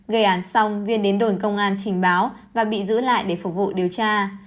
gây án xong viên đến đồn công an trình báo và bị giữ lại để phục vụ điều tra